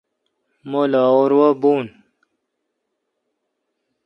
مہ لاہور وا بھون۔